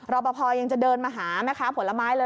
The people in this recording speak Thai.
รอปภยังจะเดินมาหาแม่ค้าผลไม้เลย